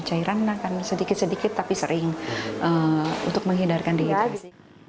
cairan akan sedikit sedikit tapi sering untuk menghindarkan dihidrasi